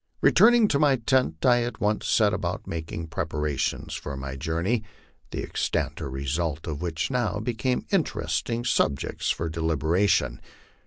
Returning to my tent, I at once set about making preparations for my journey, the extent or result of which now became interesting subjects for deliberation.